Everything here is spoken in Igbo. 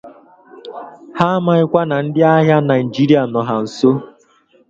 Ha amaghịkwa na ndị agha Naịjirịa nọ ha nso